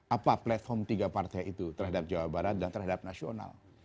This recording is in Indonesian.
apa platform tiga partai itu terhadap jawa barat dan terhadap nasional